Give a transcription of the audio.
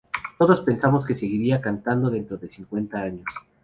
Todos pensamos que seguiría cantando dentro de cincuenta años.